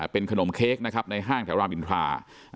เป็นขนมเค้กนะครับในห้างแถวรามอินทรา